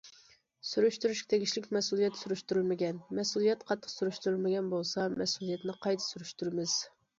سۈرۈشتۈرۈشكە تېگىشلىك مەسئۇلىيەت سۈرۈشتۈرۈلمىگەن، مەسئۇلىيەت قاتتىق سۈرۈشتۈرۈلمىگەن بولسا، مەسئۇلىيەتنى قايتا سۈرۈشتۈرىمىز.